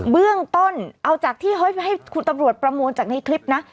เบื้องต้นเอาจากที่เฮ้ยให้คุณตำรวจประมวลจากในคลิปนะ